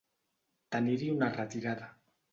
Tenir-hi una retirada.